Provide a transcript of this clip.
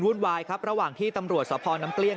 มุนวุ่นวายครับระหว่างที่ตำรวจสะพอนน้ำเกลี้ยง